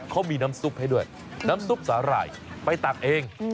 เขามีน้ำซุปให้ด้วยน้ำซุปสาหร่ายไปตักเอง